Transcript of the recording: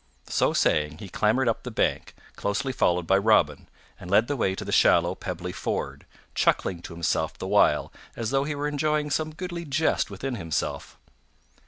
So saying, he clambered up the bank, closely followed by Robin, and led the way to the shallow pebbly ford, chuckling to himself the while as though he were enjoying some goodly jest within himself.